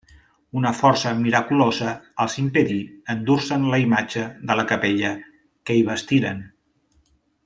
Una força miraculosa els impedí endur-se'n la imatge de la capella que hi bastiren.